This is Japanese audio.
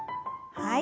はい。